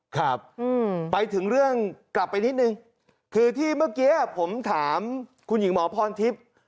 ครับไปถึงเรื่องกลับไปนิดนึงคือที่เมื่อกี้ผมถามคุณหญิงหมอพรทิพย์